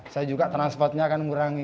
saya juga transportnya akan mengurangi